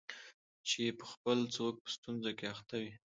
چي پخپله څوک په ستونزه کي اخته وي